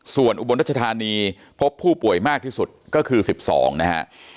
ส่วนอุบลรัชธานีพบผู้ป่วยมากที่สุดก็คือ๑๒นะฮะ